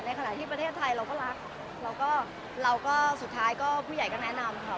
ขณะที่ประเทศไทยเราก็รักเราก็เราก็สุดท้ายก็ผู้ใหญ่ก็แนะนำค่ะ